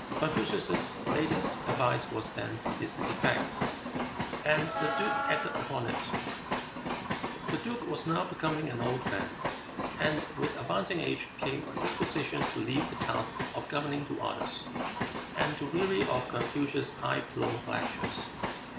Confucius's latest advice was then to this effect, and the duke acted upon it. The duke was now becoming an old man, and with advancing age came a disposition to leave the task of governing to others, and to weary of Confucius' high flown lectures.